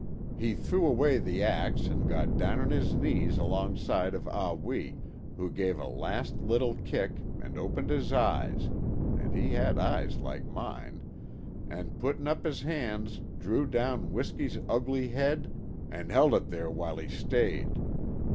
He threw away the axe and got down on 'is knees alongside of Ah Wee, who gave a last little kick and opened 'is eyes—he had eyes like mine—an' puttin' up 'is hands drew down W'isky's ugly head and held it there w'ile 'e stayed.